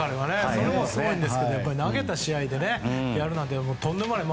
それもすごいんですけど投げた試合でやるなんてとんでもない。